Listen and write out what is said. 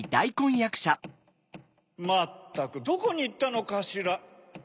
まったくどこにいったのかしら。